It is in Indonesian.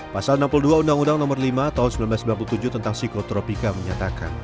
pasal enam puluh dua undang undang nomor lima tahun seribu sembilan ratus sembilan puluh tujuh tentang psikotropika menyatakan